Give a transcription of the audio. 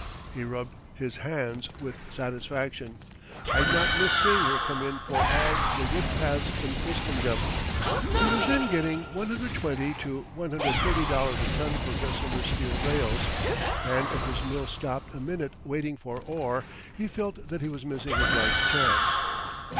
He rubbed his hands with satisfaction "I'd not miss seeing her come in for all the wood paths in Christendom." He was then getting $120 to $130 a ton for Bessemer steel rails, and if his mill stopped a minute waiting for ore, he felt that he was missing his life's chance.